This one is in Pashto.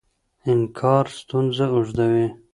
انکار ستونزه اوږدوي.